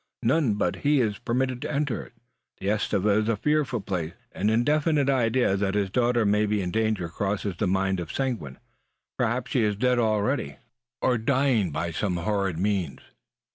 None but he is permitted to enter it. Carrai! The estufa is a fearful place. So say the people." An indefinite idea that his daughter may be in danger crosses the mind of Seguin. Perhaps she is dead already, or dying by some horrid means.